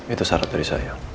itu syarat dari saya